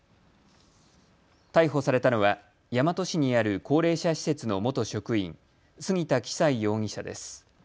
逮捕されたのは大和市にある高齢者施設の元職員、杉田企才容疑者です。